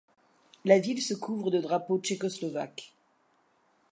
La ville se couvre de drapeaux tchécoslovaques.